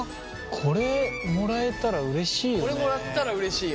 これもらったらうれしいよ。